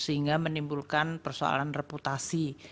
sehingga menimbulkan persoalan reputasi